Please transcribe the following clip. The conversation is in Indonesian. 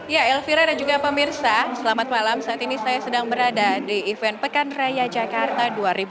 ya elvira dan juga pemirsa selamat malam saat ini saya sedang berada di event pekan raya jakarta dua ribu dua puluh